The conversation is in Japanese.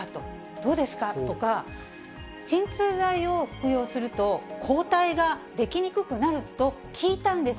どうですか？とか、鎮痛剤を服用すると、抗体が出来にくくなると聞いたんです。